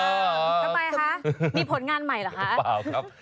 ทำไมคะมีผลงานใหม่เหรอค่ะเปล่าครับ